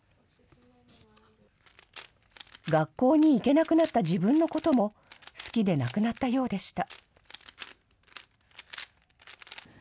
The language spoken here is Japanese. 学校に行けなくなった自分のことも好きでなくなったようでした。